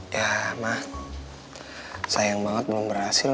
ya ma sayang banget belum berhasil ma